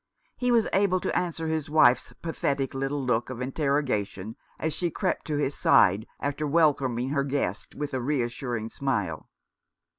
He was able to answer his wife's pathetic little look of interrogation, as she crept to his side after welcoming her guests, with a reassuring smile.